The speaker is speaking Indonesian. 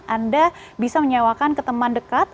anda bisa menyewakan ke teman dekat